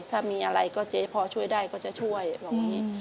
ถ้ามีอะไรก็เจ๊พอช่วยได้ก็จะช่วยแบบนี้